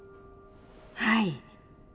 はい。